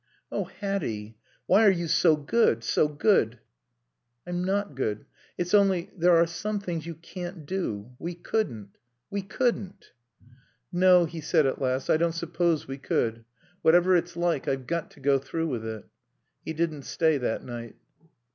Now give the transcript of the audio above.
"Oh, Hatty, why are you so good, so good?" "I'm not good. It's only there are some things you can't do. We couldn't. We couldn't." "No," he said at last. "I don't suppose we could. Whatever it's like I've got to go through with it." He didn't stay that night.